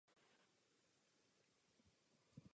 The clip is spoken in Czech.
Rusko musí tyto dohody plnit v plném rozsahu.